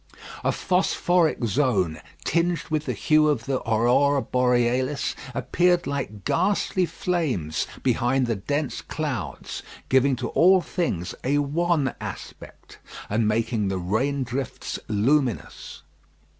A phosphoric zone, tinged with the hue of the aurora borealis, appeared like ghastly flames behind the dense clouds, giving to all things a wan aspect, and making the rain drifts luminous.